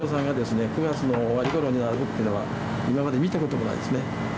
これだけ北海道産が９月の終わりごろに並ぶっていうのは、今まで見たこともないですね。